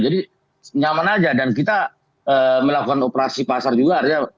jadi nyaman aja dan kita melakukan operasi pasar juga harganya